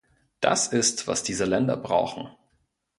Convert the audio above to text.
Das ist, was diese Länder brauchen.